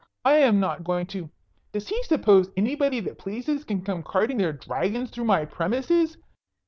"I am not going to does he suppose anybody that pleases can come carting their dragons through my premises?